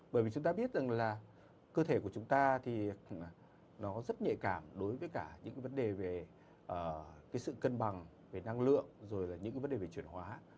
bởi vì chúng ta biết rằng là cơ thể của chúng ta thì nó rất nhạy cảm đối với cả những vấn đề về cái sự cân bằng về năng lượng rồi là những cái vấn đề về chuyển hóa